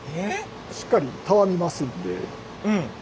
しっかりたわみますんで。